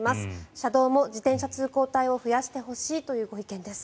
車道も自転車通行帯を増やしてほしいというご意見です。